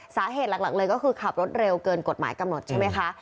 สาเหตุหลักเลยก็คือขับรถเร็วเกินกฎหมายกำหนดใช่ไหมคะ